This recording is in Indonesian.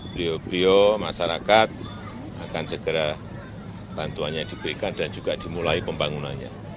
beliau beliau masyarakat akan segera bantuannya diberikan dan juga dimulai pembangunannya